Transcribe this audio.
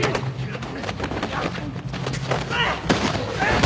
あっ。